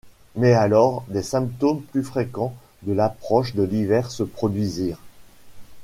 Mais alors des symptômes plus fréquents de l’approche de l’hiver se produisirent.